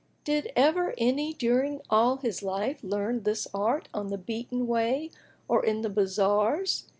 Did ever any during all his life learn this art on the beaten way or in the bazars?